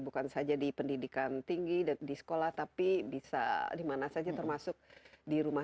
bukan saja di pendidikan tinggi di sekolah tapi bisa dimana saja termasuk di rumah